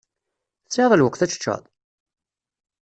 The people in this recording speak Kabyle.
Tesɛiḍ lweqt ad teččeḍ?